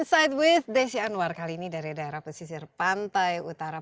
insight with desi anwar kali ini dari daerah pesisir pantai utara